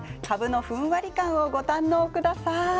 かぶのふんわり感をご堪能ください。